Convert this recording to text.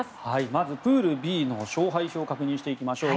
まずプールＢの勝敗表を確認していきましょう。